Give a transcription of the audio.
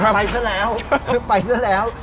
ไปซะแล้วคือไปซะแล้ว